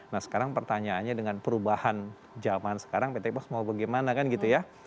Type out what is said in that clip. nah sekarang pertanyaannya dengan perubahan zaman sekarang pt pos mau bagaimana kan gitu ya